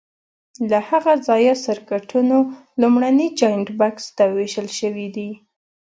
له هغه ځایه سرکټونو لومړني جاینټ بکس ته وېشل شوي دي.